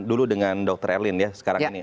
dulu dengan dr erlin ya sekarang ini